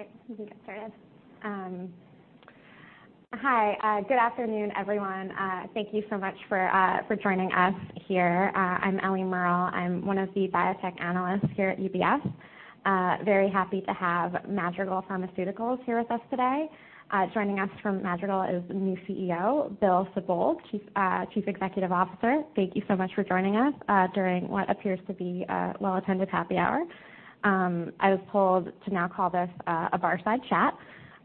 All right, we can get started. Hi, good afternoon, everyone. Thank you so much for joining us here. I'm Ellie Merle. I'm one of the biotech analysts here at UBS. Very happy to have Madrigal Pharmaceuticals here with us today. Joining us from Madrigal is the new CEO, Bill Sibold, Chief Executive Officer. Thank you so much for joining us during what appears to be a well-attended happy hour. I was told to now call this a fireside chat.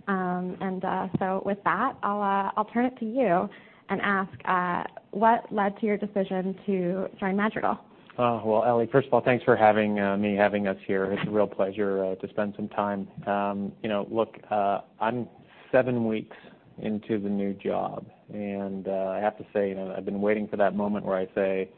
And so with that, I'll turn it to you and ask what led to your decision to join Madrigal? Well, Ellie, first of all, thanks for having us here. It's a real pleasure to spend some time. You know, look, I'm seven weeks into the new job, and I have to say, you know, I've been waiting for that moment where I say,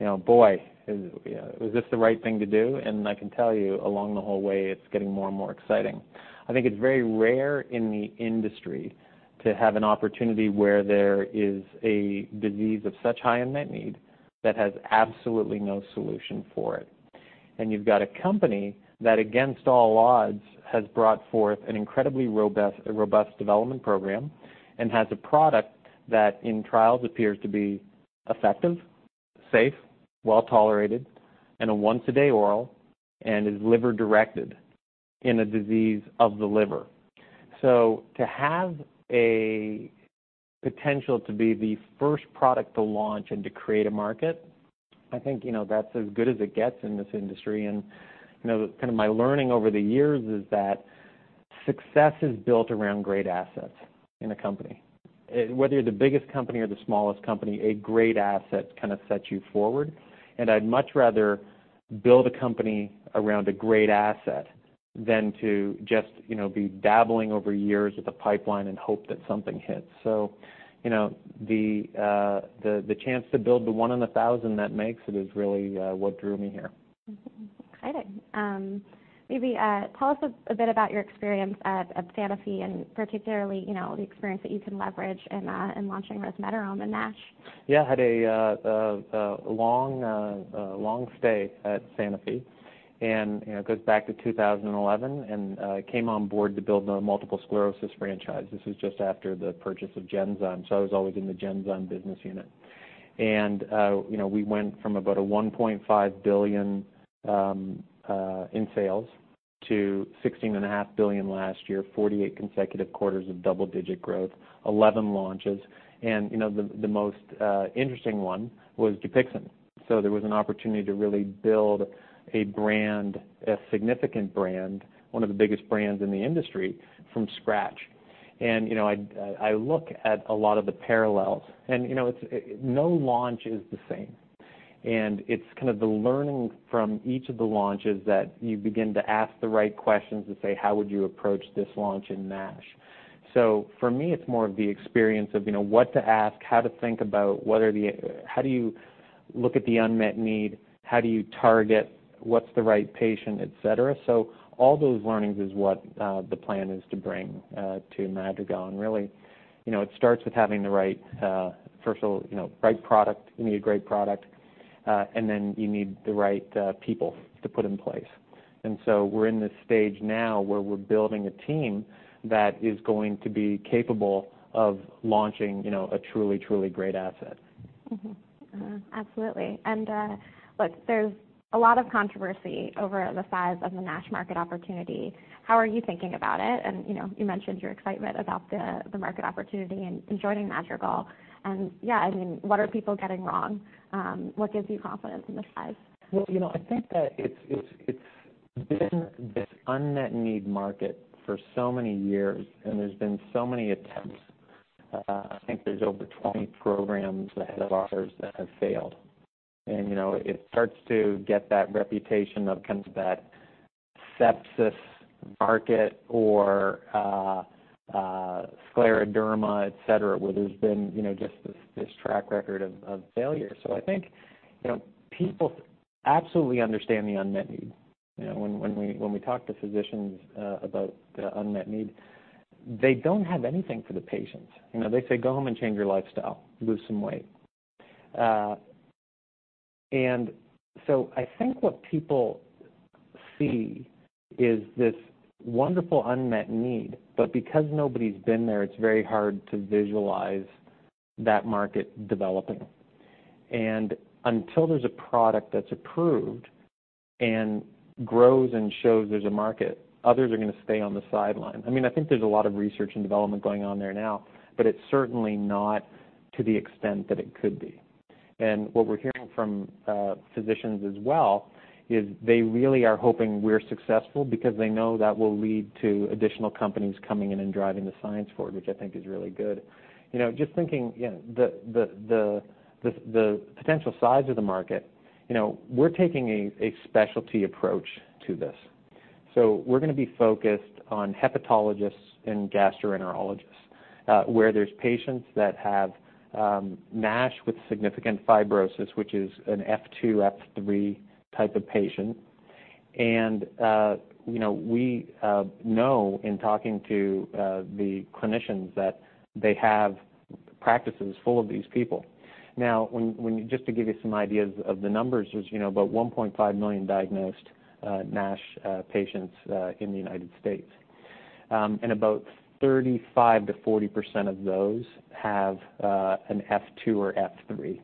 "You know, boy, is this the right thing to do?" And I can tell you along the whole way, it's getting more and more exciting. I think it's very rare in the industry to have an opportunity where there is a disease of such high unmet need that has absolutely no solution for it. You've got a company that, against all odds, has brought forth an incredibly robust, a robust development program and has a product that, in trials, appears to be effective, safe, well-tolerated, and a once-a-day oral, and is liver-directed in a disease of the liver. So to have a potential to be the first product to launch and to create a market, I think, you know, that's as good as it gets in this industry. You know, kind of my learning over the years is that success is built around great assets in a company. Whether you're the biggest company or the smallest company, a great asset kind of sets you forward. I'd much rather build a company around a great asset than to just, you know, be dabbling over years with a pipeline and hope that something hits. So, you know, the chance to build the one in a thousand that makes it is really what drew me here. Mm-hmm. Exciting. Maybe tell us a bit about your experience at Sanofi and particularly, you know, the experience that you can leverage in launching resmetirom and MASH. Yeah. I had a long stay at Sanofi, and, you know, it goes back to 2011, and I came on board to build a multiple sclerosis franchise. This was just after the purchase of Genzyme, so I was always in the Genzyme business unit. And, you know, we went from about $1.5 billion in sales to $16.5 billion last year, 48 consecutive quarters of double-digit growth, 11 launches. And, you know, the most interesting one was DUPIXENT. So there was an opportunity to really build a brand, a significant brand, one of the biggest brands in the industry, from scratch. And, you know, I look at a lot of the parallels, and, you know, it's. No launch is the same, and it's kind of the learning from each of the launches that you begin to ask the right questions and say: How would you approach this launch in MASH? So for me, it's more of the experience of, you know, what to ask, how to think about what are the, how do you look at the unmet need. How do you target what's the right patient, et cetera. So all those learnings is what, the plan is to bring, to Madrigal. And really, you know, it starts with having the right, first of all, you know, right product. You need a great product, and then you need the right, people to put in place. And so we're in this stage now where we're building a team that is going to be capable of launching, you know, a truly, truly great asset. Mm-hmm. Uh-huh, absolutely. And look, there's a lot of controversy over the size of the MASH market opportunity. How are you thinking about it? And you know, you mentioned your excitement about the market opportunity and joining Madrigal. And yeah, I mean, what are people getting wrong? What gives you confidence in the size? Well, you know, I think that it's been this unmet need market for so many years, and there's been so many attempts. I think there's over 20 programs ahead of ours that have failed. And, you know, it starts to get that reputation of kind of that sepsis market or scleroderma, et cetera, where there's been, you know, just this track record of failure. So I think, you know, people absolutely understand the unmet need. You know, when we talk to physicians about the unmet need, they don't have anything for the patients. You know, they say, "Go home and change your lifestyle. Lose some weight." And so I think what people see is this wonderful unmet need, but because nobody's been there, it's very hard to visualize that market developing. Until there's a product that's approved and grows and shows there's a market, others are gonna stay on the sideline. I mean, I think there's a lot of research and development going on there now, but it's certainly not to the extent that it could be. What we're hearing from physicians as well is they really are hoping we're successful because they know that will lead to additional companies coming in and driving the science forward, which I think is really good. You know, just thinking, you know, the potential size of the market, you know, we're taking a specialty approach to this. So we're gonna be focused on hepatologists and gastroenterologists, where there's patients that have MASH with significant fibrosis, which is an F2, F3 type of patient. You know, we know in talking to the clinicians that they have practices full of these people. Now, just to give you some ideas of the numbers, there's, you know, about 1.5 million diagnosed MASH patients in the United States. And about 35%-40% of those have an F2 or F3.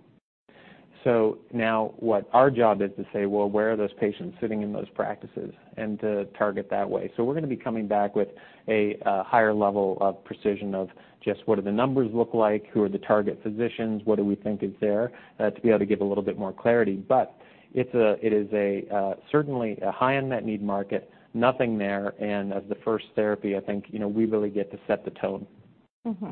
So now what our job is to say, well, where are those patients sitting in those practices? And to target that way. So we're gonna be coming back with a higher level of precision of just what do the numbers look like, who are the target physicians, what do we think is there to be able to give a little bit more clarity. But it's a it is a certainly a high unmet need market, nothing there. As the first therapy, I think, you know, we really get to set the tone. Mm-hmm.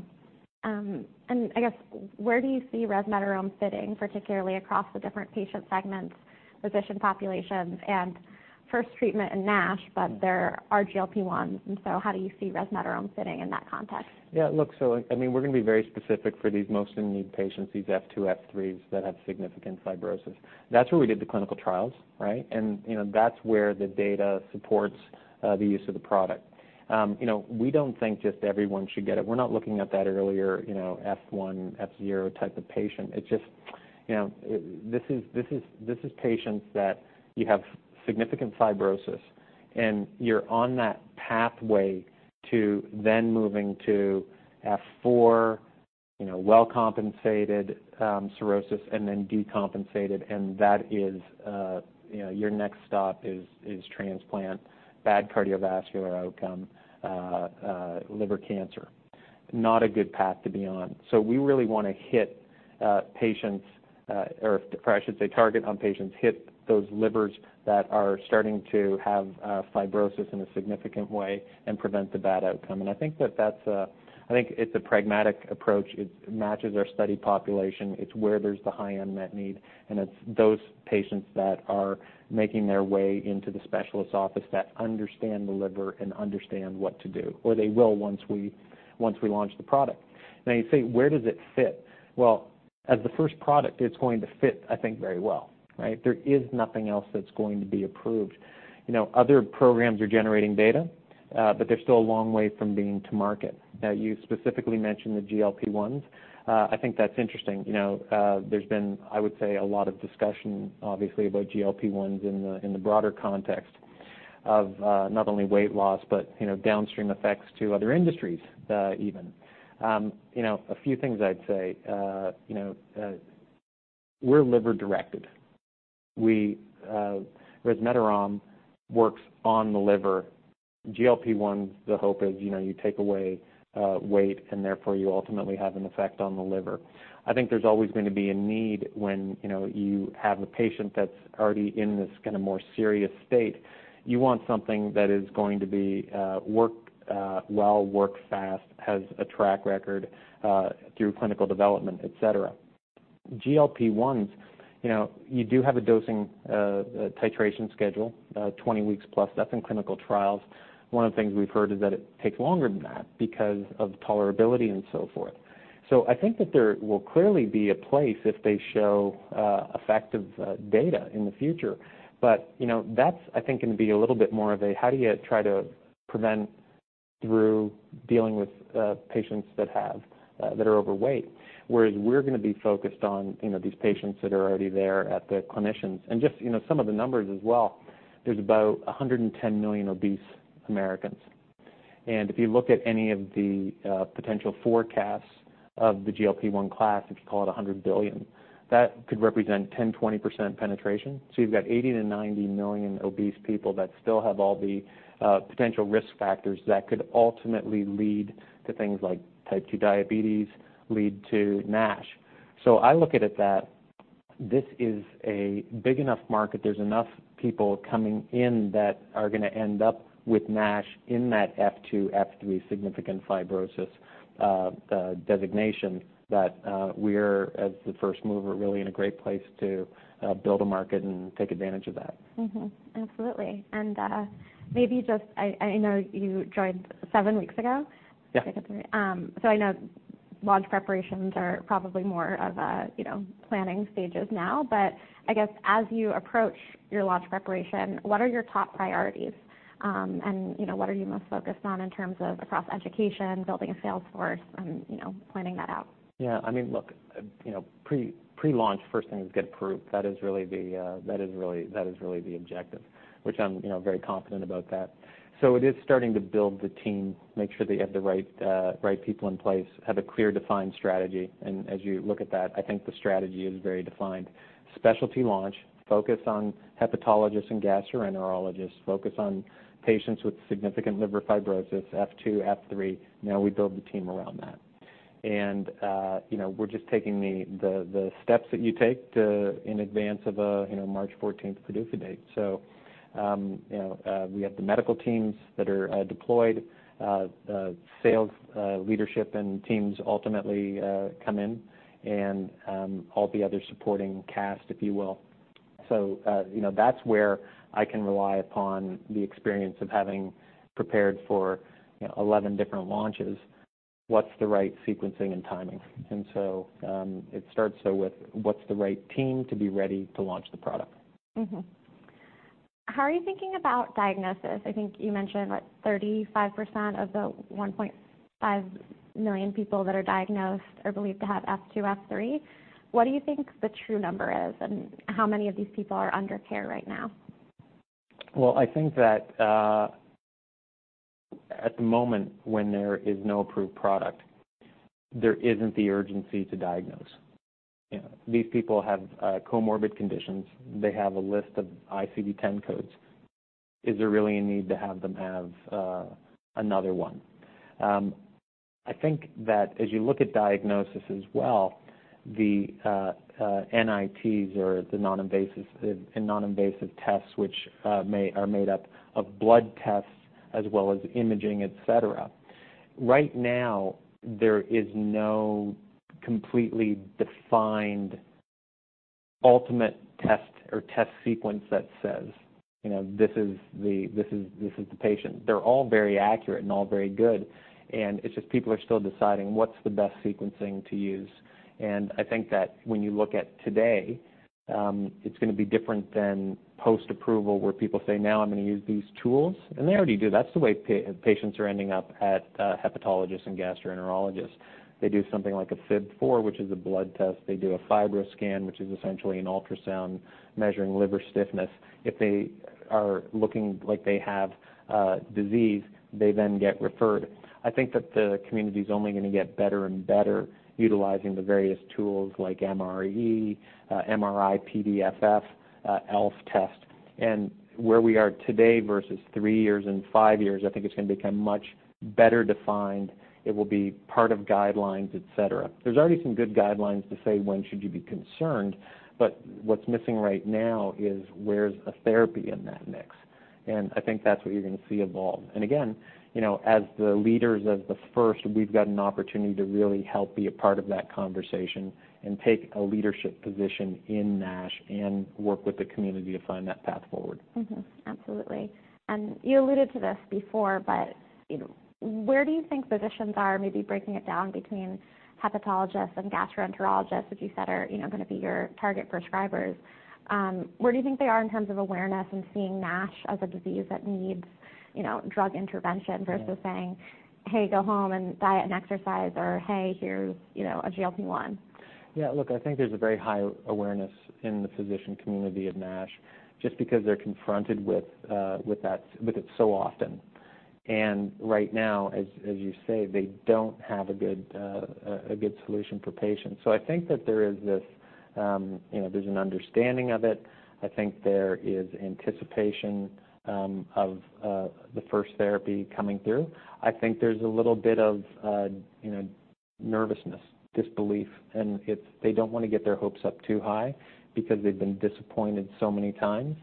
And I guess, where do you see resmetirom fitting, particularly across the different patient segments, physician populations, and first treatment in MASH, but there are GLP-1s, and so how do you see resmetirom fitting in that context? Yeah, look, so I mean, we're gonna be very specific for these most in-need patients, these F2s, F3s that have significant fibrosis. That's where we did the clinical trials, right? And, you know, that's where the data supports the use of the product. You know, we don't think just everyone should get it. We're not looking at that earlier, you know, F1, F0 type of patient. It's just, you know, this is patients that you have significant fibrosis, and you're on that pathway to then moving to F4, you know, well-compensated cirrhosis, and then decompensated, and that is, you know, your next stop is transplant, bad cardiovascular outcome, liver cancer. Not a good path to be on. So we really wanna hit patients, or I should say, target on patients, hit those livers that are starting to have fibrosis in a significant way and prevent the bad outcome. I think that that's a, I think it's a pragmatic approach. It matches our study population. It's where there's the high unmet need, and it's those patients that are making their way into the specialist office that understand the liver and understand what to do, or they will once we, once we launch the product. Now, you say, where does it fit? Well, as the first product, it's going to fit, I think, very well, right? There is nothing else that's going to be approved. You know, other programs are generating data, but they're still a long way from being to market. Now, you specifically mentioned the GLP-1s. I think that's interesting. You know, there's been, I would say, a lot of discussion, obviously, about GLP-1s in the broader context of not only weight loss, but, you know, downstream effects to other industries, even. You know, a few things I'd say, you know, we're liver-directed. We, resmetirom works on the liver. GLP-1, the hope is, you know, you take away weight, and therefore, you ultimately have an effect on the liver. I think there's always gonna be a need when, you know, you have a patient that's already in this kinda more serious state. You want something that is going to be work well, work fast, has a track record through clinical development, et cetera. GLP-1s, you know, you do have a dosing titration schedule 20 weeks+. That's in clinical trials. One of the things we've heard is that it takes longer than that because of tolerability and so forth. So I think that there will clearly be a place if they show effective data in the future. But, you know, that's, I think, gonna be a little bit more of a, how do you try to prevent through dealing with patients that have that are overweight? Whereas we're gonna be focused on, you know, these patients that are already there at the clinicians. And just, you know, some of the numbers as well, there's about 110 million obese Americans. And if you look at any of the potential forecasts of the GLP-1 class, if you call it $100 billion, that could represent 10%-20% penetration. So you've got 80 million-90 million obese people that still have all the potential risk factors that could ultimately lead to things like type 2 diabetes, lead to MASH. So I look at it that this is a big enough market. There's enough people coming in that are gonna end up with MASH in that F2, F3 significant fibrosis designation, that we're, as the first mover, really in a great place to build a market and take advantage of that. Mm-hmm. Absolutely. And, maybe just, I know you joined seven weeks ago? Yeah. So I know launch preparations are probably more of a, you know, planning stages now. But I guess as you approach your launch preparation, what are your top priorities? And you know, what are you most focused on in terms of across education, building a sales force, and, you know, planning that out? Yeah, I mean, look, you know, pre-launch, first thing is get approved. That is really the objective, which I'm, you know, very confident about that. So it is starting to build the team, make sure they have the right people in place, have a clear, defined strategy. And as you look at that, I think the strategy is very defined. Specialty launch, focus on hepatologists and gastroenterologists, focus on patients with significant liver fibrosis, F2, F3. Now we build the team around that. And, you know, we're just taking the steps that you take to, in advance of a, you know, March 14th PDUFA date. So, you know, we have the medical teams that are deployed, sales leadership and teams ultimately come in and, all the other supporting cast, if you will. So, you know, that's where I can rely upon the experience of having prepared for, you know, 11 different launches. What's the right sequencing and timing? And so, it starts so with what's the right team to be ready to launch the product. How are you thinking about diagnosis? I think you mentioned, what, 35% of the 1.5 million people that are diagnosed are believed to have F2, F3. What do you think the true number is, and how many of these people are under care right now? Well, I think that at the moment, when there is no approved product, there isn't the urgency to diagnose. You know, these people have comorbid conditions. They have a list of ICD-10 codes. Is there really a need to have them have another one? I think that as you look at diagnosis as well, the NITs or the non-invasive tests, which are made up of blood tests as well as imaging, et cetera. Right now, there is no completely defined ultimate test or test sequence that says, you know, this is the patient. They're all very accurate and all very good, and it's just people are still deciding what's the best sequencing to use. I think that when you look at today, it's gonna be different than post-approval, where people say, "Now I'm gonna use these tools." And they already do. That's the way patients are ending up at hepatologists and gastroenterologists. They do something like a FIB-4, which is a blood test. They do a FibroScan, which is essentially an ultrasound measuring liver stiffness. If they are looking like they have disease, they then get referred. I think that the community's only gonna get better and better utilizing the various tools like MRE, MRI-PDFF, ELF test. And where we are today versus three years and five years, I think it's gonna become much better defined. It will be part of guidelines, et cetera. There's already some good guidelines to say, when should you be concerned, but what's missing right now is, where's a therapy in that mix? And I think that's what you're gonna see evolve. And again, you know, as the leaders of the first, we've got an opportunity to really help be a part of that conversation and take a leadership position in MASH and work with the community to find that path forward. Mm-hmm, absolutely. You alluded to this before, but, you know, where do you think physicians are, maybe breaking it down between hepatologists and gastroenterologists, which you said are, you know, gonna be your target prescribers? Where do you think they are in terms of awareness and seeing MASH as a disease that needs, you know, drug intervention. Yeah. Versus saying, "Hey, go home and diet and exercise," or, "Hey, here's, you know, a GLP-1?" Yeah, look, I think there's a very high awareness in the physician community of MASH, just because they're confronted with that, with it so often. And right now, as you say, they don't have a good solution for patients. So I think that there is this, you know, there's an understanding of it. I think there is anticipation of the first therapy coming through. I think there's a little bit of, you know, nervousness, disbelief, and it's, they don't wanna get their hopes up too high because they've been disappointed so many times.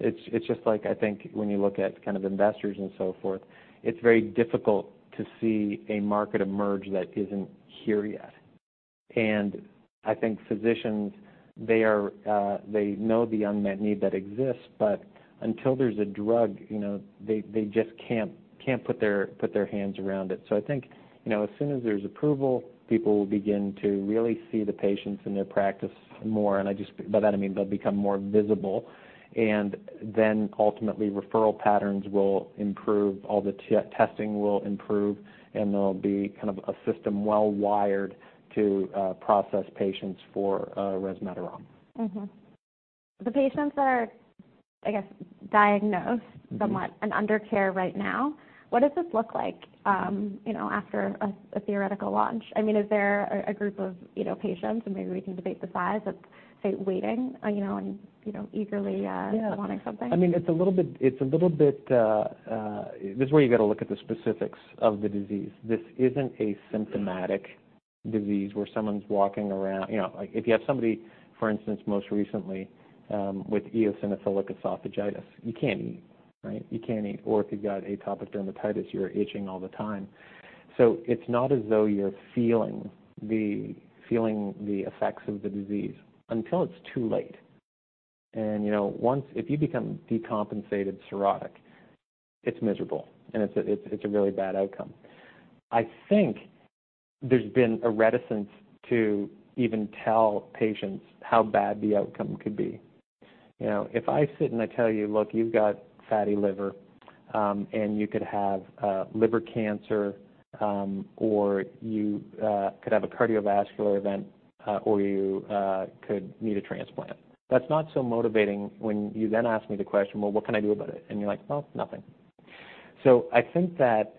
It's just like, I think, when you look at kind of investors and so forth, it's very difficult to see a market emerge that isn't here yet. And I think physicians, they are, they know the unmet need that exists, but until there's a drug, you know, they just can't put their hands around it. So I think, you know, as soon as there's approval, people will begin to really see the patients in their practice more. And I just by that, I mean, they'll become more visible, and then ultimately, referral patterns will improve, all the testing will improve, and there'll be kind of a system well wired to process patients for resmetirom. Mm-hmm. The patients that are, I guess, diagnosed. Mm-hmm. Somewhat and under care right now, what does this look like, you know, after a theoretical launch? I mean, is there a group of, you know, patients, and maybe we can debate the size, that's, say, waiting, you know, and, you know, eagerly. Yeah. Wanting something? I mean, it's a little bit, it's a little bit. This is where you gotta look at the specifics of the disease. This isn't a symptomatic disease where someone's walking around. You know, like, if you have somebody, for instance, most recently, with eosinophilic esophagitis, you can't eat, right? You can't eat, or if you've got atopic dermatitis, you're itching all the time. So it's not as though you're feeling the, feeling the effects of the disease until it's too late. And, you know, if you become decompensated cirrhotic, it's miserable, and it's a, it's, it's a really bad outcome. I think there's been a reticence to even tell patients how bad the outcome could be. You know, if I sit and I tell you, "Look, you've got fatty liver, and you could have liver cancer, or you could have a cardiovascular event, or you could need a transplant," that's not so motivating when you then ask me the question, "Well, what can I do about it?" And you're like, "Well, nothing." So I think that,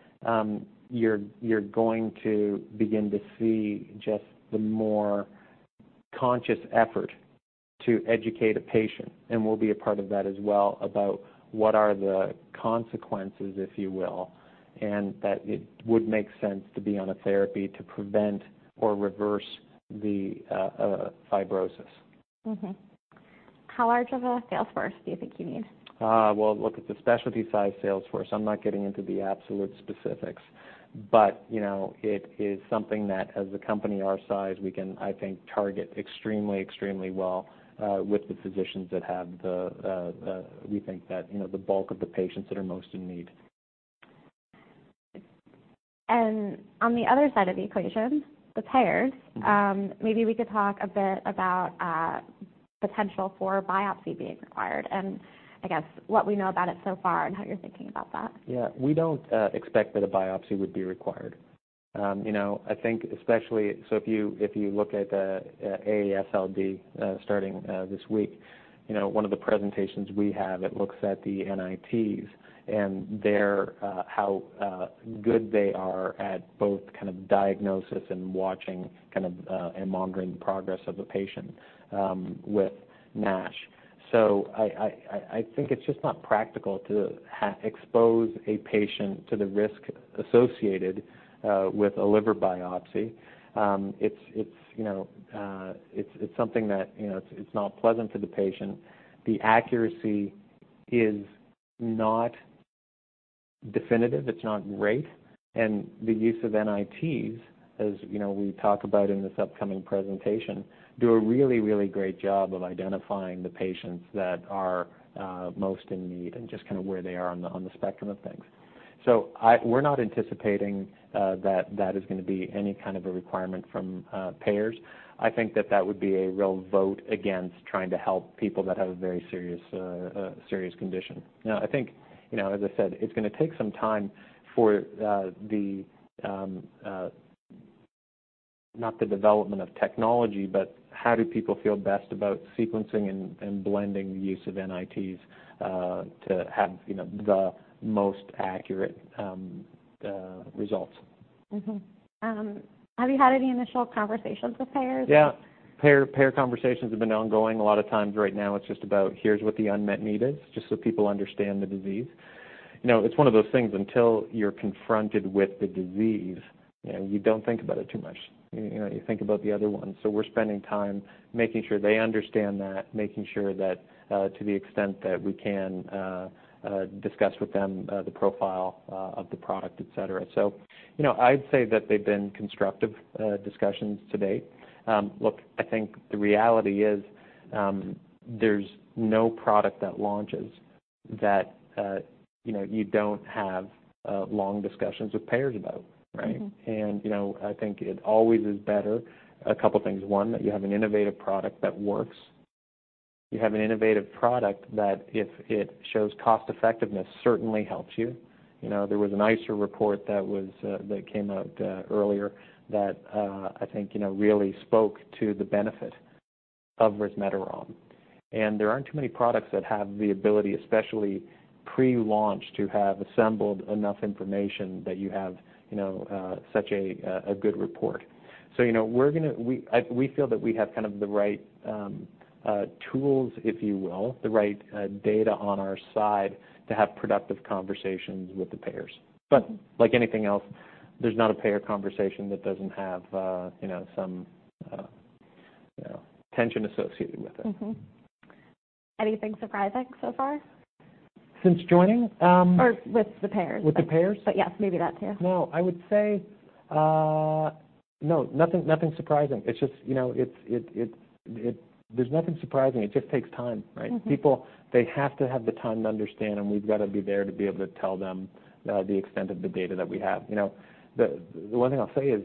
you're going to begin to see just the more conscious effort to educate a patient, and we'll be a part of that as well, about what are the consequences, if you will, and that it would make sense to be on a therapy to prevent or reverse the fibrosis. Mm-hmm. How large of a sales force do you think you need? Well, look, it's a specialty-sized sales force. I'm not getting into the absolute specifics, but, you know, it is something that, as a company our size, we can, I think, target extremely, extremely well, with the physicians that have the, the, we think that, you know, the bulk of the patients that are most in need. On the other side of the equation, the payers, maybe we could talk a bit about potential for biopsy being required, and I guess what we know about it so far and how you're thinking about that. Yeah, we don't expect that a biopsy would be required. You know, I think especially, so if you, if you look at the AASLD starting this week, you know, one of the presentations we have, it looks at the NITs and their how good they are at both kind of diagnosis and watching kind of and monitoring the progress of a patient with MASH. So I think it's just not practical to expose a patient to the risk associated with a liver biopsy. It's you know it's something that, you know, it's not pleasant for the patient. The accuracy is not definitive, it's not great. The use of NITs, as you know, we talk about in this upcoming presentation, do a really, really great job of identifying the patients that are most in need and just kind of where they are on the spectrum of things. We're not anticipating that that is gonna be any kind of a requirement from payers. I think that that would be a real vote against trying to help people that have a very serious condition. Now, I think, you know, as I said, it's gonna take some time for not the development of technology, but how do people feel best about sequencing and blending the use of NITs to have, you know, the most accurate results. Mm-hmm. Have you had any initial conversations with payers? Yeah, payer, payer conversations have been ongoing. A lot of times right now, it's just about, here's what the unmet need is, just so people understand the disease. You know, it's one of those things, until you're confronted with the disease, you know, you don't think about it too much. You, you know, you think about the other ones. So we're spending time making sure they understand that, making sure that, to the extent that we can, discuss with them, the profile, of the product, et cetera. So, you know, I'd say that they've been constructive, discussions to date. Look, I think the reality is, there's no product that launches that, you know, you don't have, long discussions with payers about, right? Mm-hmm. You know, I think it always is better, a couple things: one, that you have an innovative product that works. You have an innovative product that if it shows cost effectiveness, certainly helps you. You know, there was an ICER report that was that came out earlier that I think you know really spoke to the benefit of resmetirom. And there aren't too many products that have the ability, especially pre-launch, to have assembled enough information that you have, you know, such a good report. So, you know, we're gonna. We, I, we feel that we have kind of the right tools, if you will, the right data on our side to have productive conversations with the payers. But like anything else, there's not a payer conversation that doesn't have, you know, some, you know, tension associated with it. Mm-hmm. Anything surprising so far? Since joining? Or with the payers. With the payers? Yes, maybe that, too. No, I would say no, nothing surprising. It's just, you know, it. There's nothing surprising. It just takes time, right? Mm-hmm. People, they have to have the time to understand, and we've got to be there to be able to tell them, the extent of the data that we have. You know, the one thing I'll say is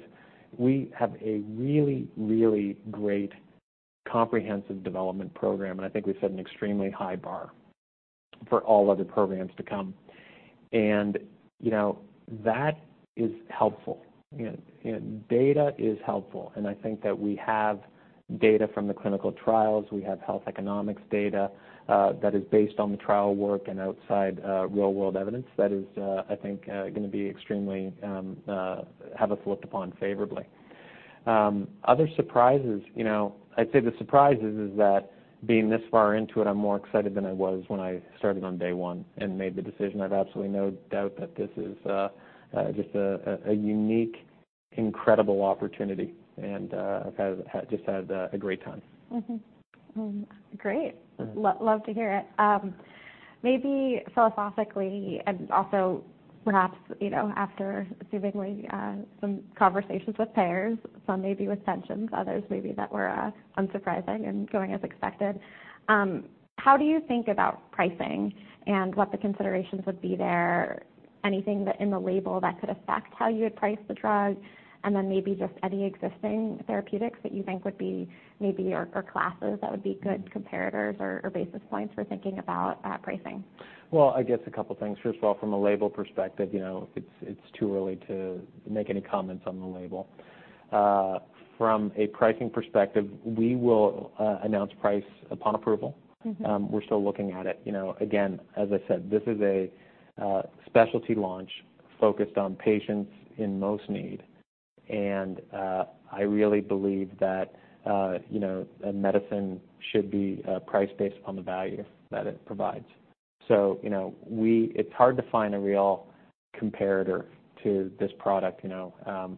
we have a really, really great comprehensive development program, and I think we've set an extremely high bar for all other programs to come. And, you know, that is helpful. You know, data is helpful, and I think that we have data from the clinical trials. We have health economics data, that is based on the trial work and outside, real-world evidence that is, I think, gonna be extremely, have us looked upon favorably. Other surprises, you know, I'd say the surprise is that being this far into it, I'm more excited than I was when I started on day one and made the decision. I have absolutely no doubt that this is just a unique, incredible opportunity, and I've just had a great time. Mm-hmm. Great. Mm. Love to hear it. Maybe philosophically, and also perhaps, you know, after presumably some conversations with payers, some maybe with tensions, others maybe that were unsurprising and going as expected, how do you think about pricing and what the considerations would be there? Anything that in the label that could affect how you would price the drug, and then maybe just any existing therapeutics that you think would be maybe or classes that would be good comparators or basis points for thinking about pricing? Well, I guess a couple things. First of all, from a label perspective, you know, it's too early to make any comments on the label. From a pricing perspective, we will announce price upon approval. Mm-hmm. We're still looking at it. You know, again, as I said, this is a specialty launch focused on patients in most need, and I really believe that, you know, a medicine should be priced based on the value that it provides. So, you know, it's hard to find a real comparator to this product, you know,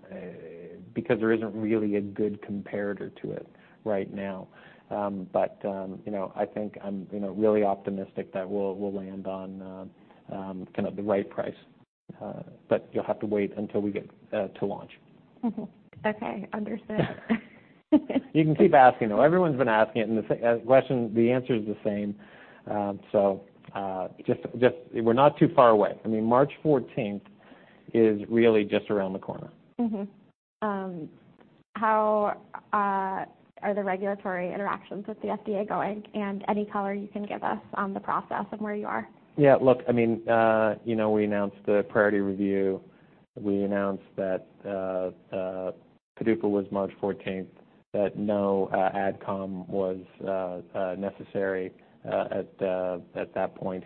because there isn't really a good comparator to it right now. But, you know, I think I'm, you know, really optimistic that we'll land on kind of the right price, but you'll have to wait until we get to launch. Mm-hmm. Okay, understood. You can keep asking, though. Everyone's been asking it, and the same question, the answer is the same. So, just we're not too far away. I mean, March 14th is really just around the corner. Mm-hmm. How are the regulatory interactions with the FDA going? And any color you can give us on the process of where you are? Yeah, look, I mean, you know, we announced the priority review. We announced that PDUFA was March 14th, that no Ad Com was necessary at that point.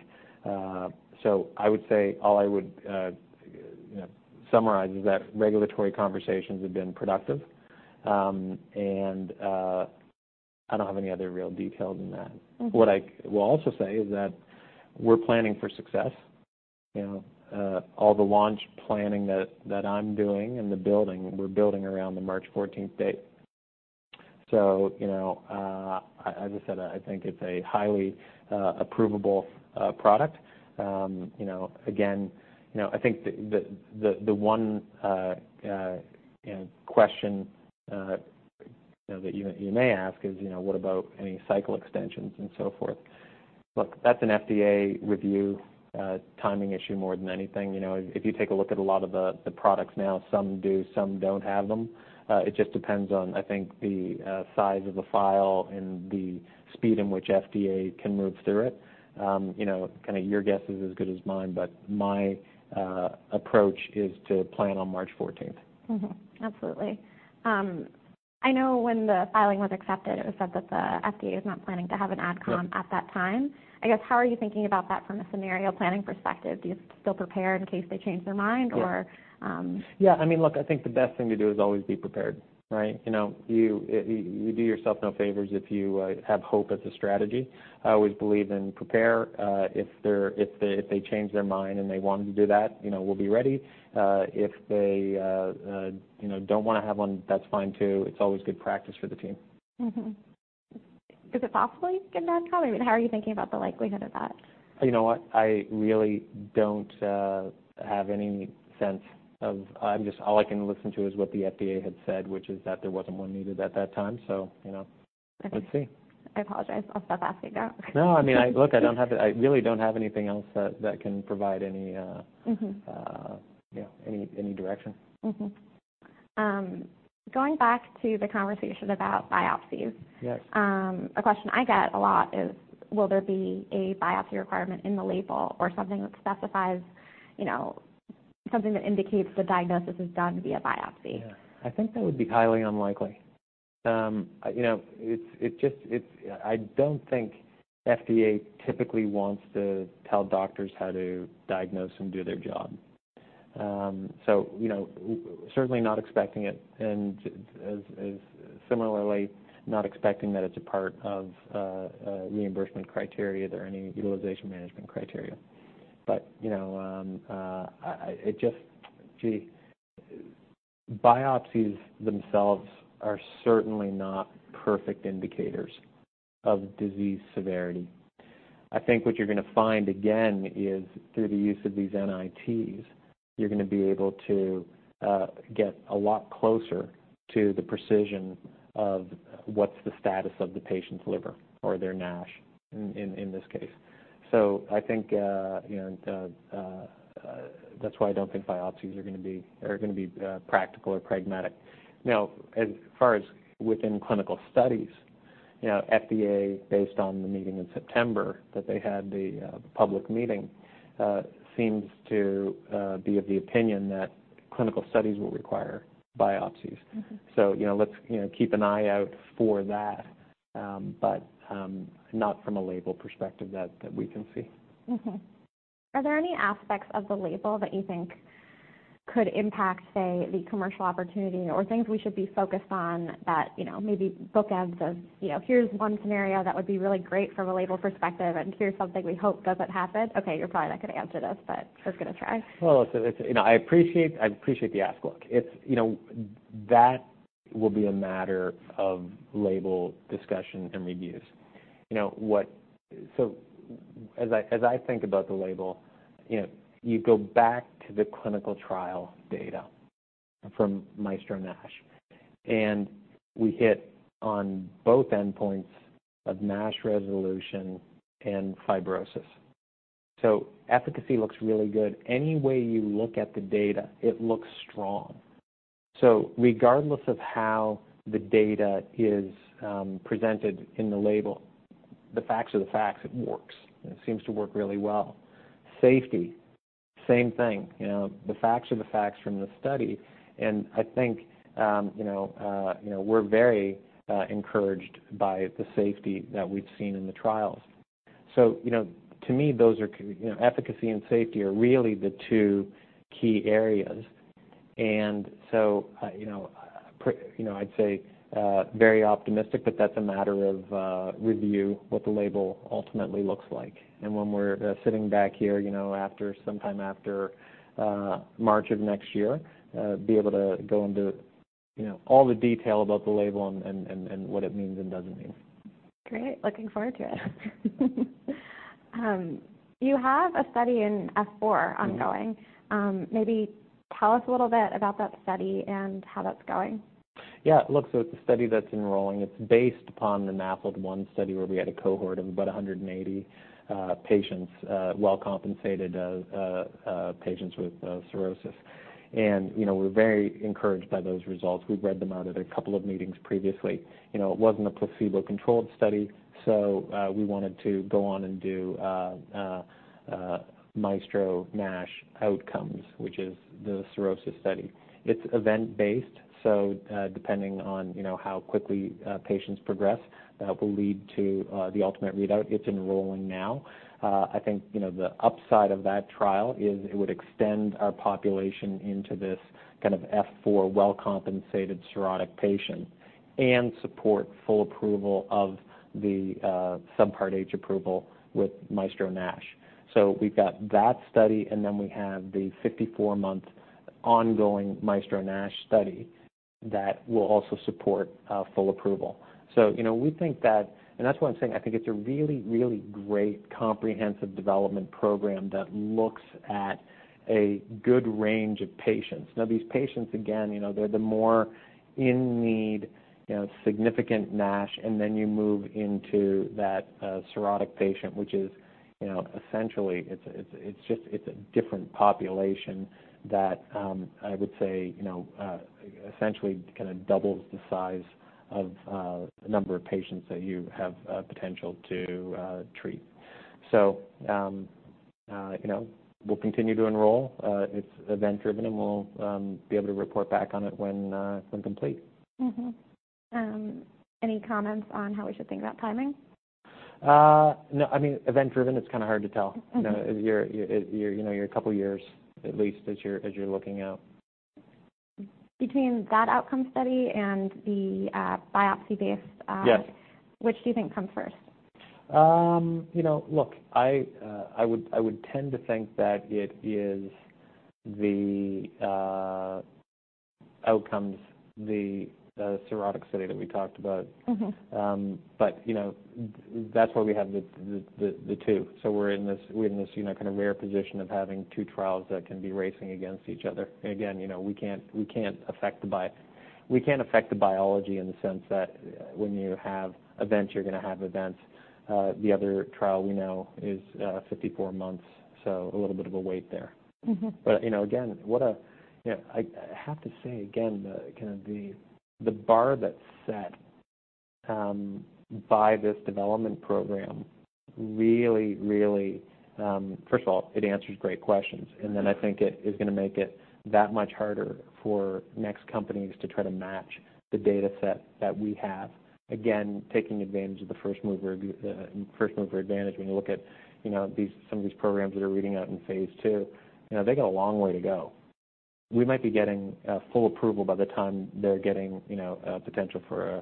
So I would say all I would you know, summarize is that regulatory conversations have been productive. And I don't have any other real details than that. Mm-hmm. What I will also say is that we're planning for success. You know, all the launch planning that I'm doing and the building, we're building around the March 14th date. So, you know, as I said, I think it's a highly approvable product. You know, again, you know, I think the one question you may ask is, you know, what about any cycle extensions and so forth? Look, that's an FDA review timing issue more than anything. You know, if you take a look at a lot of the products now, some do, some don't have them. It just depends on, I think, the size of the file and the speed in which FDA can move through it. You know, kind of your guess is as good as mine, but my approach is to plan on March 14th. Mm-hmm. Absolutely. I know when the filing was accepted, it was said that the FDA is not planning to have an Ad Com. Yep. At that time. I guess, how are you thinking about that from a scenario planning perspective? Do you still prepare in case they change their mind or. Yeah. I mean, look, I think the best thing to do is always be prepared, right? You know, you do yourself no favors if you have hope as a strategy. I always believe in prepare. If they change their mind and they want to do that, you know, we'll be ready. If they, you know, don't wanna have one, that's fine, too. It's always good practice for the team. Mm-hmm. Is it possible you get an Ad Com? I mean, how are you thinking about the likelihood of that? You know what? I really don't have any sense of. I'm just, all I can listen to is what the FDA had said, which is that there wasn't one needed at that time. So, you know. Okay. Let's see. I apologize. I'll stop asking now. No, I mean, look. I don't have the, I really don't have anything else that can provide any. Mm-hmm. Yeah, any, any direction. Mm-hmm. Going back to the conversation about biopsies. Yes. A question I get a lot is, will there be a biopsy requirement in the label or something that specifies, you know, something that indicates the diagnosis is done via biopsy? Yeah. I think that would be highly unlikely. You know, it's just, I don't think FDA typically wants to tell doctors how to diagnose and do their job. So, you know, certainly not expecting it, and as similarly, not expecting that it's a part of reimbursement criteria or any utilization management criteria. But, you know, I, it just, gee, biopsies themselves are certainly not perfect indicators of disease severity. I think what you're gonna find again, is through the use of these NITs, you're gonna be able to get a lot closer to the precision of what's the status of the patient's liver or their MASH, in this case. So I think, you know, that's why I don't think biopsies are gonna be practical or pragmatic. Now, as far as within clinical studies, you know, FDA, based on the meeting in September that they had, the public meeting, seems to be of the opinion that clinical studies will require biopsies. Mm-hmm. You know, let's you know, keep an eye out for that, but not from a label perspective that we can see. Mm-hmm. Are there any aspects of the label that you think could impact, say, the commercial opportunity or things we should be focused on that, you know, maybe bookends of, you know, here's one scenario that would be really great from a label perspective, and here's something we hope doesn't happen? Okay, you're probably not gonna answer this, but just gonna try. Well, it's, you know, I appreciate the ask. Look, it's, you know, that will be a matter of label discussion and reviews. You know what? So as I think about the label, you know, you go back to the clinical trial data from MAESTRO-NASH, and we hit on both endpoints of MASH resolution and fibrosis. So efficacy looks really good. Any way you look at the data, it looks strong. So regardless of how the data is presented in the label, the facts are the facts. It works. It seems to work really well. Safety, same thing. You know, the facts are the facts from the study, and I think, you know, we're very encouraged by the safety that we've seen in the trials. So, you know, to me, those are, you know, efficacy and safety are really the two key areas. And so, you know, I'd say, very optimistic, but that's a matter of review, what the label ultimately looks like. And when we're sitting back here, you know, after, sometime after, March of next year, be able to go into, you know, all the detail about the label and, and, and, what it means and doesn't mean. Great, looking forward to it. You have a study in F4 ongoing. Mm-hmm. Maybe tell us a little bit about that study and how that's going? Yeah, look, so it's a study that's enrolling. It's based upon the NAFLD-1 study, where we had a cohort of about 180 patients, well-compensated patients with cirrhosis. You know, we're very encouraged by those results. We've read them out at a couple of meetings previously. You know, it wasn't a placebo-controlled study, so we wanted to go on and do MAESTRO-NASH OUTCOMES, which is the cirrhosis study. It's event-based, so depending on, you know, how quickly patients progress, that will lead to the ultimate readout. It's enrolling now. I think, you know, the upside of that trial is it would extend our population into this kind of F4 well-compensated cirrhotic patient and support full approval of the Subpart H approval with MAESTRO-NASH. So we've got that study, and then we have the 54-month ongoing MAESTRO-NASH study that will also support full approval. So, you know, we think that, and that's why I'm saying I think it's a really, really great comprehensive development program that looks at a good range of patients. Now, these patients, again, you know, they're the more in need, you know, significant MASH, and then you move into that cirrhotic patient, which is, you know, essentially, it's just a different population that I would say, you know, essentially kind of doubles the size of the number of patients that you have potential to treat. So, you know, we'll continue to enroll. It's event-driven, and we'll be able to report back on it when complete. Mm-hmm. Any comments on how we should think about timing? No, I mean, event-driven, it's kinda hard to tell. Mm-hmm. You know, you're a couple of years at least, as you're looking out. Between that outcome study and the biopsy-based. Yes. Which do you think come first? You know, look, I would tend to think that it is the OUTCOMES, the cirrhotic study that we talked about. Mm-hmm. But, you know, that's why we have the two. So we're in this, you know, kind of rare position of having two trials that can be racing against each other. And again, you know, we can't affect the biology in the sense that when you have events, you're gonna have events. The other trial we know is 54 months, so a little bit of a wait there. Mm-hmm. But, you know, again, what a, you know, I have to say again, the, kind of, the bar that's set by this development program really, really. First of all, it answers great questions, and then I think it is gonna make it that much harder for next companies to try to match the data set that we have. Again, taking advantage of the first mover advantage. When you look at, you know, some of these programs that are reading out in phase II, you know, they got a long way to go. We might be getting full approval by the time they're getting, you know, potential for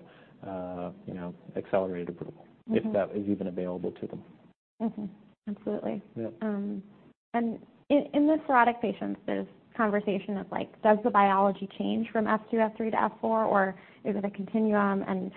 accelerated approval. Mm-hmm. If that is even available to them. Mm-hmm. Absolutely. Yeah. And in the cirrhotic patients, there's conversation of, like, does the biology change from F2, F3, to F4, or is it a continuum? And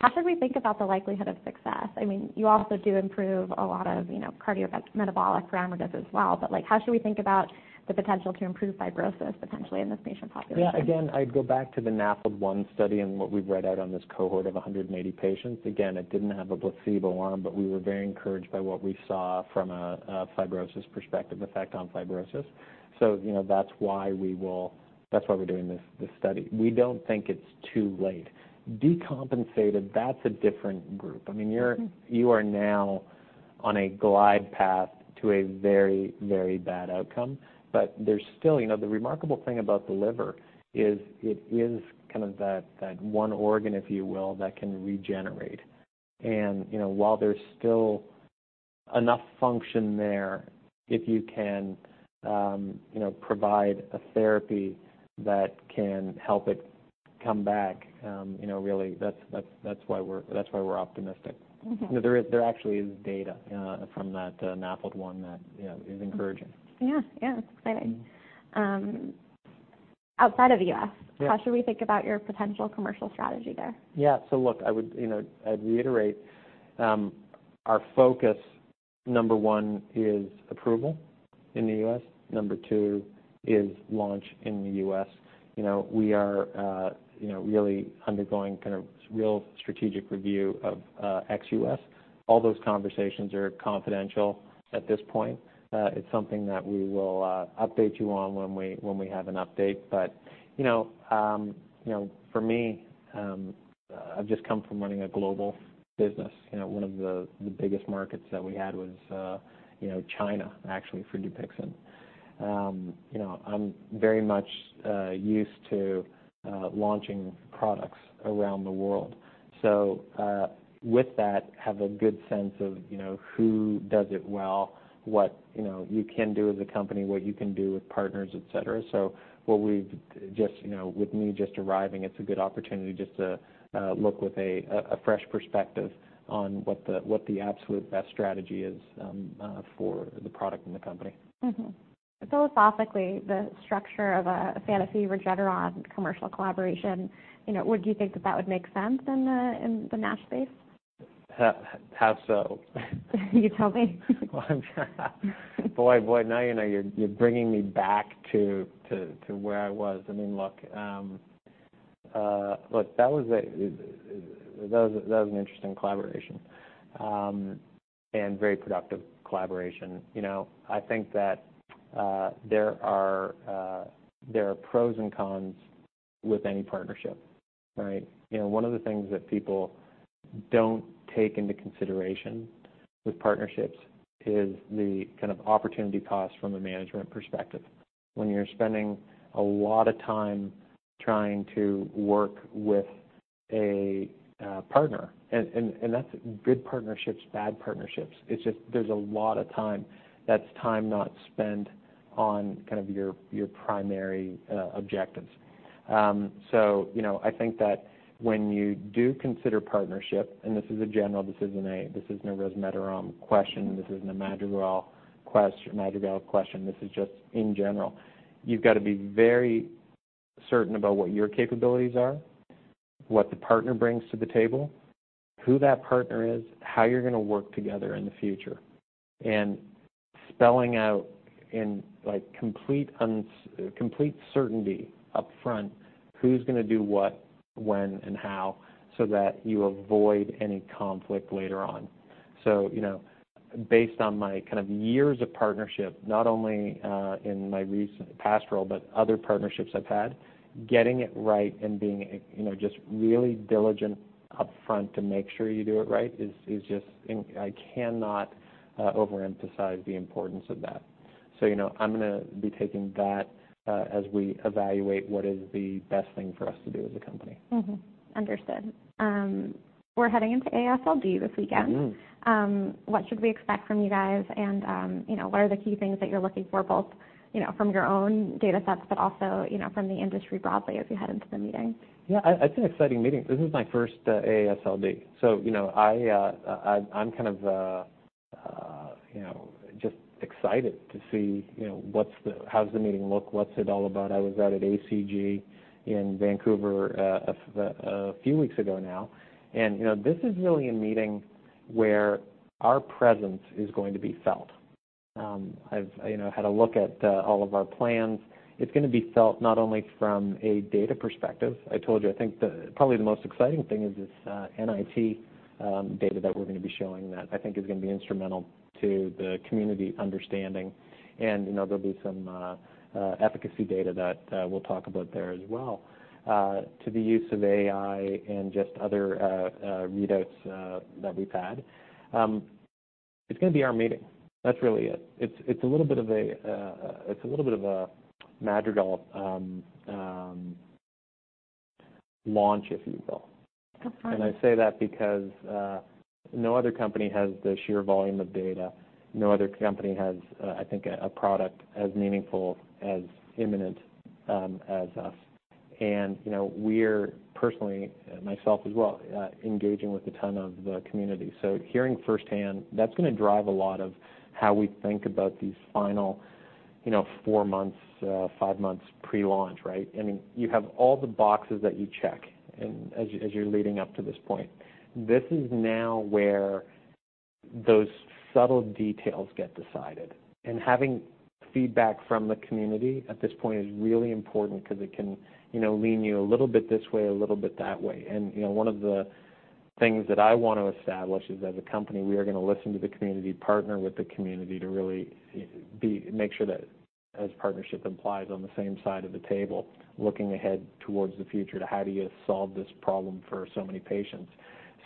how should we think about the likelihood of success? I mean, you also do improve a lot of, you know, cardiometabolic parameters as well, but, like, how should we think about the potential to improve fibrosis potentially in this patient population? Yeah. Again, I'd go back to the NAFLD-1 study and what we've read out on this cohort of 180 patients. Again, it didn't have a placebo arm, but we were very encouraged by what we saw from a fibrosis perspective, effect on fibrosis. So, you know, that's why we're doing this study. We don't think it's too late. Decompensated, that's a different group. Mm-hmm. I mean, you are now on a glide path to a very, very bad outcome. But there's still, you know, the remarkable thing about the liver is it is kind of that, that one organ, if you will, that can regenerate. And, you know, while there's still enough function there, if you can, you know, provide a therapy that can help it come back, you know, really, that's, that's, that's why we're, that's why we're optimistic. Mm-hmm. You know, there actually is data from that NAFLD-1 that, yeah, is encouraging. Yeah. Yeah, exciting. Outside of the U.S. Yeah. How should we think about your potential commercial strategy there? Yeah. So look, I would, you know, I'd reiterate, our focus, number one, is approval in the U.S. Number two, is launch in the U.S. You know, we are, you know, really undergoing kind of real strategic review of, ex-U.S. All those conversations are confidential at this point. It's something that we will, update you on when we, when we have an update. But, you know, you know, for me, I've just come from running a global business. You know, one of the, the biggest markets that we had was, you know, China, actually, for DUPIXENT. You know, I'm very much, used to, launching products around the world. So, with that, have a good sense of, you know, who does it well, what, you know, you can do as a company, what you can do with partners, et cetera. So what we've just, you know, with me just arriving, it's a good opportunity just to look with a fresh perspective on what the absolute best strategy is for the product and the company. Mm-hmm. Philosophically, the structure of a Sanofi Regeneron commercial collaboration, you know, would you think that that would make sense in the, in the MASH space? How so? You tell me. Well, boy, now, you know, you're bringing me back to where I was. I mean, look, that was an interesting collaboration and very productive collaboration. You know, I think that there are pros and cons with any partnership, right? You know, one of the things that people don't take into consideration with partnerships is the kind of opportunity cost from a management perspective. When you're spending a lot of time trying to work with a partner, and that's good partnerships, bad partnerships, it's just there's a lot of time, that's time not spent on kind of your primary objectives. So, you know, I think that when you do consider partnership, and this is a general, this isn't a resmetirom question, this isn't a Madrigal question, this is just in general. You've got to be very certain about what your capabilities are, what the partner brings to the table, who that partner is, how you're gonna work together in the future. And spelling out in, like, complete certainty upfront, who's gonna do what, when, and how, so that you avoid any conflict later on. So, you know, based on my kind of years of partnership, not only in my recent past role, but other partnerships I've had, getting it right and being, you know, just really diligent upfront to make sure you do it right, is just, I cannot overemphasize the importance of that. So, you know, I'm gonna be taking that as we evaluate what is the best thing for us to do as a company. Mm-hmm. Understood. We're heading into AASLD this weekend. Mm-hmm. What should we expect from you guys? And, you know, what are the key things that you're looking for, both, you know, from your own data sets, but also, you know, from the industry broadly as we head into the meeting? Yeah, it's an exciting meeting. This is my first AASLD, so, you know, I'm kind of, you know, just excited to see, you know, what's the how does the meeting look? What's it all about? I was out at ACG in Vancouver, a few weeks ago now, and, you know, this is really a meeting where our presence is going to be felt. I've, you know, had a look at all of our plans. It's gonna be felt not only from a data perspective. I told you, I think probably the most exciting thing is this, NIT data that we're gonna be showing that I think is gonna be instrumental to the community understanding. And, you know, there'll be some efficacy data that we'll talk about there as well, to the use of AI and just other readouts that we've had. It's gonna be our meeting. That's really it. It's a little bit of a Madrigal launch, if you will. Okay. And I say that because, no other company has the sheer volume of data. No other company has, I think, a product as meaningful, as imminent, as us. And, you know, we're personally, myself as well, engaging with a ton of the community. So hearing firsthand, that's gonna drive a lot of how we think about these final, you know, four months, five months pre-launch, right? I mean, you have all the boxes that you check, and as you, as you're leading up to this point. This is now where those subtle details get decided. And having feedback from the community at this point is really important because it can, you know, lean you a little bit this way, a little bit that way. You know, one of the things that I want to establish is, as a company, we are gonna listen to the community, partner with the community, to really make sure that, as partnership implies, on the same side of the table, looking ahead towards the future to how do you solve this problem for so many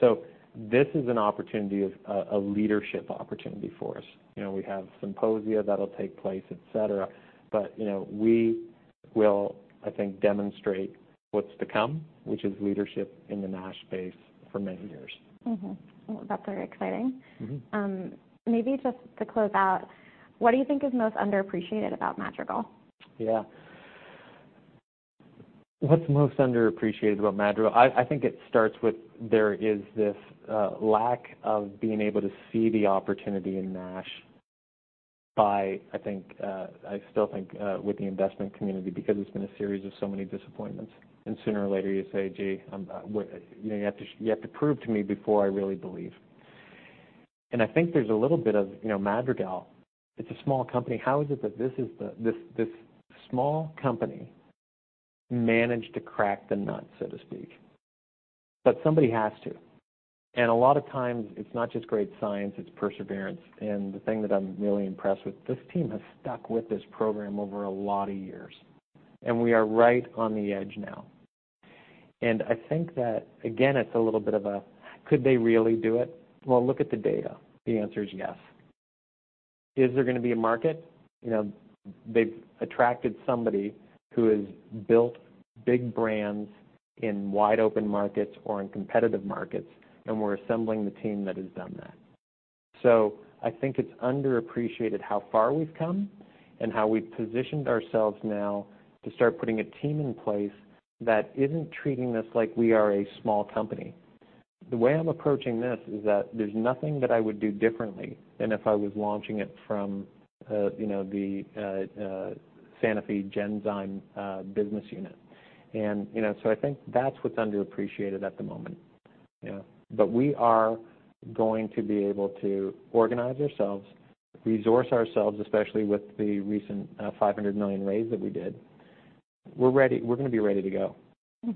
patients. So this is an opportunity of a leadership opportunity for us. You know, we have symposia that'll take place, et cetera, but, you know, we will, I think, demonstrate what's to come, which is leadership in the MASH space for many years. Mm-hmm. Well, that's very exciting. Mm-hmm. Maybe just to close out, what do you think is most underappreciated about Madrigal? Yeah. What's most underappreciated about Madrigal? I think it starts with there is this lack of being able to see the opportunity in MASH by, I think, I still think with the investment community, because it's been a series of so many disappointments, and sooner or later you say, "Gee, I'm." You know, "You have to, you have to prove to me before I really believe." And I think there's a little bit of, you know, Madrigal, it's a small company. How is it that this is the, this, this small company managed to crack the nut, so to speak? But somebody has to. And a lot of times, it's not just great science, it's perseverance. And the thing that I'm really impressed with, this team has stuck with this program over a lot of years, and we are right on the edge now. I think that, again, it's a little bit of a, "Could they really do it?" Well, look at the data. The answer is yes. Is there gonna be a market? You know, they've attracted somebody who has built big brands in wide-open markets or in competitive markets, and we're assembling the team that has done that. So I think it's underappreciated how far we've come and how we've positioned ourselves now to start putting a team in place that isn't treating us like we are a small company. The way I'm approaching this is that there's nothing that I would do differently than if I was launching it from, you know, the Sanofi Genzyme business unit. And, you know, so I think that's what's underappreciated at the moment, you know? But we are going to be able to organize ourselves, resource ourselves, especially with the recent $500 million raise that we did. We're gonna be ready to go.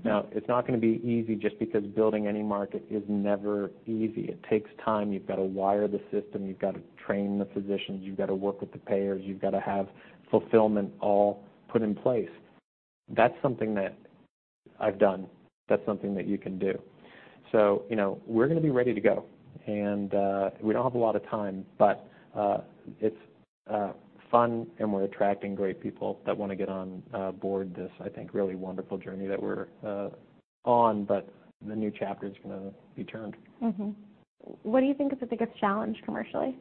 Now, it's not gonna be easy just because building any market is never easy. It takes time. You've got to wire the system, you've got to train the physicians, you've got to work with the payers, you've got to have fulfillment all put in place. That's something that I've done. That's something that you can do. So, you know, we're gonna be ready to go, and we don't have a lot of time, but it's fun, and we're attracting great people that wanna get on board this, I think, really wonderful journey that we're on, but the new chapter is gonna be turned. Mm-hmm. What do you think is the biggest challenge commercially?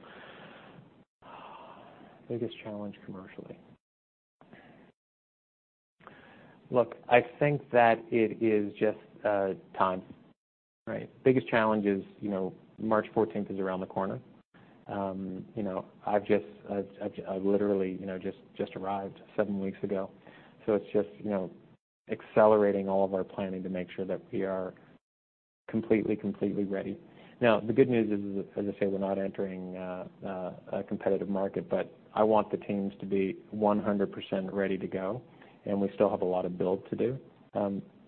Biggest challenge commercially. Look, I think that it is just time, right? The biggest challenge is, you know, March 14th is around the corner. You know, I've literally, you know, just arrived seven weeks ago, so it's just, you know, accelerating all of our planning to make sure that we are completely ready. Now, the good news is, as I say, we're not entering a competitive market, but I want the teams to be 100% ready to go, and we still have a lot of build to do.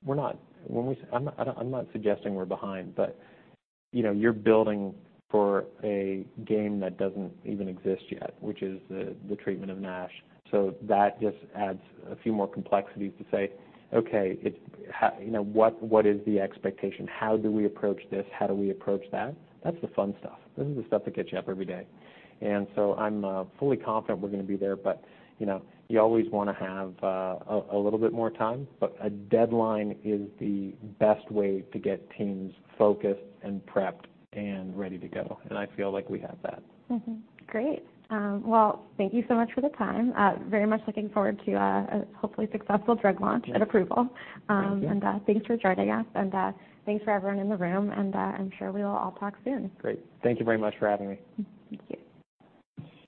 We're not. When we, I'm not suggesting we're behind, but, you know, you're building for a game that doesn't even exist yet, which is the treatment of MASH. So that just adds a few more complexities to say, "Okay, it's, you know, what is the expectation? How do we approach this? How do we approach that?" That's the fun stuff. This is the stuff that gets you up every day. And so I'm fully confident we're gonna be there, but, you know, you always wanna have a little bit more time, but a deadline is the best way to get teams focused and prepped and ready to go, and I feel like we have that. Mm-hmm. Great. Well, thank you so much for the time. Very much looking forward to a hopefully successful drug launch. Thank you. And approval. Thank you. And thanks for joining us, and thanks for everyone in the room, and I'm sure we will all talk soon. Great. Thank you very much for having me. Thank you.